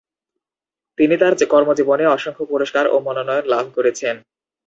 তিনি তার কর্মজীবনে অসংখ্য পুরস্কার ও মনোনয়ন লাভ করেছেন।